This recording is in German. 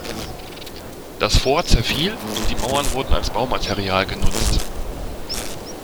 Das Fort zerfiel und die Mauern wurden als Baumaterial genutzt.